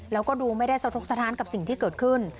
แล้วก็ดูไม่ได้สะทกสะท้านกับสิ่งที่เกิดขึ้น